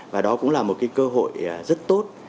và đó cũng là một cơ hội rất tốt